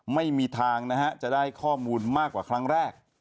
ไม่มีทางนะฮะจะได้ข้อมูลมากกว่าครั้งแรก